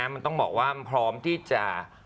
มันต้องบอกว่ามันพร้อมที่จะ